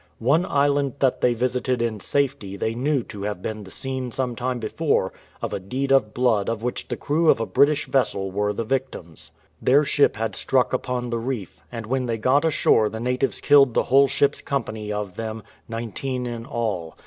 One island that they visited in safety they knew to have been the scene 277 BISHOP OF MELANESIA some time before of a deed of blood of which the crew of a British vessel were the victims. Their ship had struck upon the reef, and when they got ashore the natives killed the whole ship^'s company of them, nineteen in all.